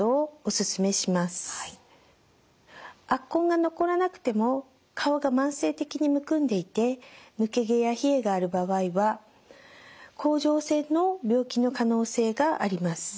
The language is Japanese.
圧痕が残らなくても顔が慢性的にむくんでいて抜け毛や冷えがある場合は甲状腺の病気の可能性があります。